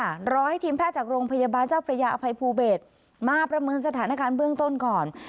รอให้ทีมแพทย์จากโรงพยาบาลเจ้าพระยาอภัยภูเบศมาประเมินสถานการณ์เบื้องต้นก่อน